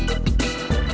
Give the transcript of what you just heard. terima kasih bang